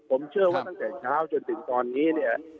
ผมเชื่อว่าตั้งแต่เช้าจนถึงตอนนี้เนี่ย